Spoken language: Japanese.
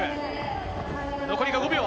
残り５秒。